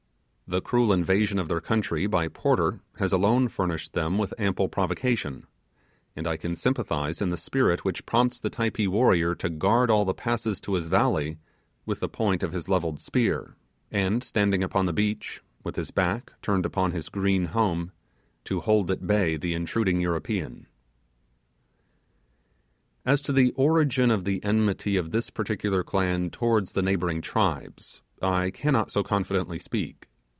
The cruel invasion of their country by Porter has alone furnished them with ample provocation; and I can sympathize in the spirit which prompts the Typee warrior to guard all the passes to his valley with the point of his levelled spear, and, standing upon the beach, with his back turned upon his green home, to hold at bay the intruding European. As to the origin of the enmity of this particular clan towards the neighbouring tribes, I cannot so confidently speak.